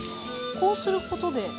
こうすることで？